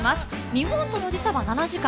日本との時差は７時間。